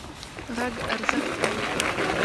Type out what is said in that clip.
غږ ارزښت لري.